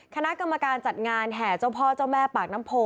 คณะกรรมการจัดงานแห่เจ้าพ่อเจ้าแม่ปากน้ำโพ